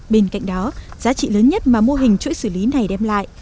bên cạnh đó giá trị lớn nhất mà mô hình chuỗi xử lý này đem lại